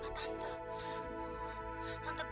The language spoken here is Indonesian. kak tante tante itu jahat